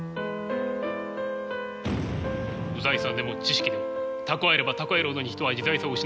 財産でも知識でも蓄えれば蓄えるほどに人は自在さを失ってしまう。